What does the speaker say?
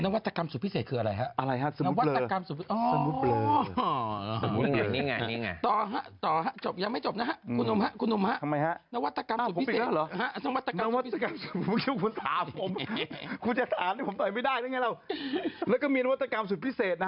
นวัตกรรมสุดพิเศษคืออะไรฮะไฟร์วงพร้อยแฟรุปโรอย่างวอกว่างสุดพิเศษนะ